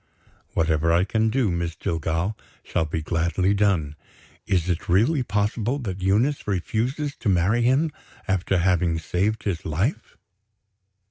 "Whatever I can do, Miss Jillgall, shall be gladly done. Is it really possible that Eunice refuses to marry him, after having saved his life?"